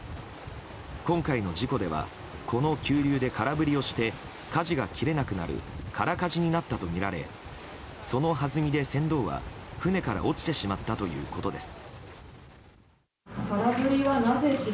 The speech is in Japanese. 今回の事故ではこの急流で空振りをしてかじが切れなくなる空かじになったとみられそのはずみで、船頭は船から落ちてしまったということです。